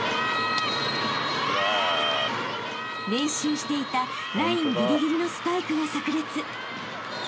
［練習していたラインぎりぎりのスパイクが炸裂］